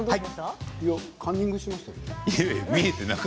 カンニングしましたか？